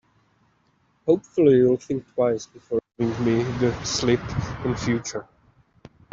Hopefully, you'll think twice before giving me the slip in future.